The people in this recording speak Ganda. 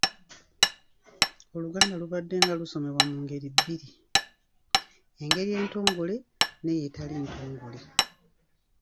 Oluganda lubaddenga lusomesebwa mu ngeri bbiri; engeri entongole, n’eyo etali ntongole.